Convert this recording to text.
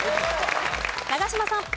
長嶋さん。